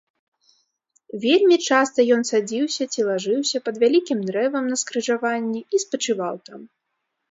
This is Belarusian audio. Вельмі часта ён садзіўся ці лажыўся пад вялікім дрэвам на скрыжаванні і спачываў там.